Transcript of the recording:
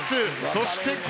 そして昴